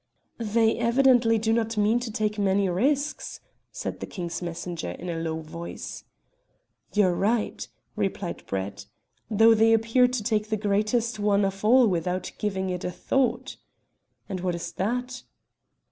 "They evidently do not mean to take many risks," said the King's messenger in a low voice. "You are right," replied Brett, "though they appear to take the greatest one of all without giving it a thought." "And what is that?"